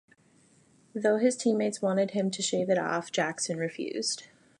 Though his teammates wanted him to shave it off, Jackson refused.